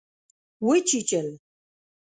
وچیچل